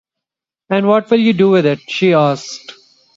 “And what will you do with it?” she asked.